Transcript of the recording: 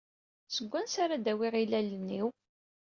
Seg wansi ara d-awiɣ ilalen-iw?